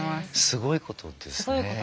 すごいことですね。